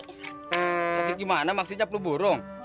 sakit gimana maksudnya ceplok burung